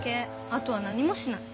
あとは何もしない。